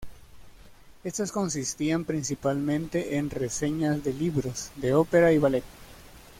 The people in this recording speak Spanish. Estos consistían principalmente en reseñas de libros, de ópera y ballet.